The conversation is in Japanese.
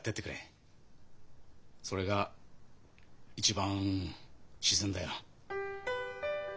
それが一番自然だよ。